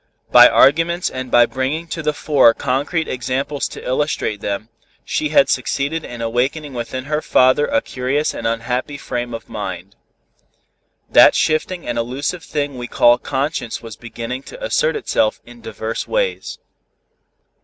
By arguments and by bringing to the fore concrete examples to illustrate them, she had succeeded in awakening within her father a curious and unhappy frame of mind. That shifting and illusive thing we call conscience was beginning to assert itself in divers ways.